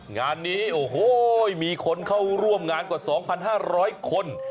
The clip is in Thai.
งานนี้โอ้โหมีคนเข้าร่วมงานกว่า๒๕๐๐คน